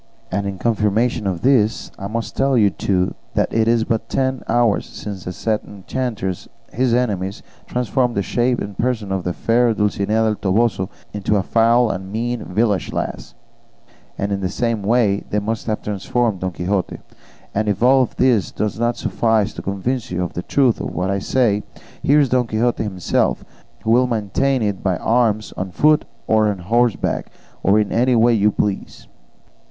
And in confirmation of this, I must tell you, too, that it is but ten hours since these said enchanters his enemies transformed the shape and person of the fair Dulcinea del Toboso into a foul and mean village lass, and in the same way they must have transformed Don Quixote; and if all this does not suffice to convince you of the truth of what I say, here is Don Quixote himself, who will maintain it by arms, on foot or on horseback or in any way you please."